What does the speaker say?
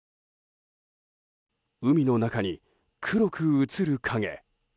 海の中に黒く映る影。